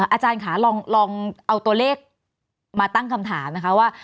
อาจารย์ค่ะลองเอาตัวเลขมาตั้งคำถามนะคะว่า